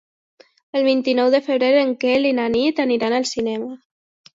El vint-i-nou de febrer en Quel i na Nit aniran al cinema.